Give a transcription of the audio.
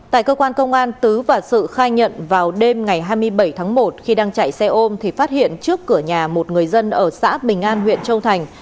tại cơ quan công an tứ và sự khai nhận vào đêm ngày hai mươi bảy tháng một khi đang chạy xe ôm thì phát hiện trước cửa nhà một người dân ở xã bình an huyện châu thành